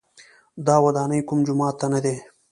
دا ودانۍ کوم جومات نه دی.